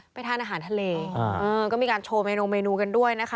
ทานอาหารทะเลก็มีการโชว์เมนูเมนูกันด้วยนะคะ